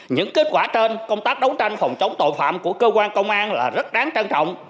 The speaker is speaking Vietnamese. những kết quả trên công tác đấu tranh phòng chống tội phạm của cơ quan công an là rất đáng trân trọng